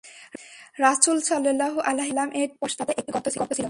রাসূল সাল্লাল্লাহু আলাইহি ওয়াসাল্লাম-এর ঠিক পশ্চাতে একটি গর্ত ছিল।